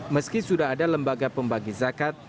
meski sudah ada lembaga pembagi zakat